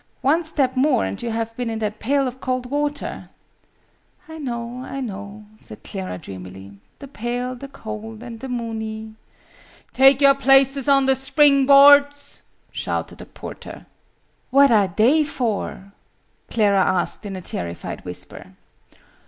"One step more, and you'd have been in that pail of cold water!" "I know, I know," Clara said, dreamily. "The pale, the cold, and the moony " "Take your places on the spring boards!" shouted a porter. "What are they for!" Clara asked in a terrified whisper.